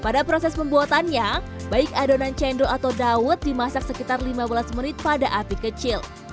pada proses pembuatannya baik adonan cendol atau dawet dimasak sekitar lima belas menit pada api kecil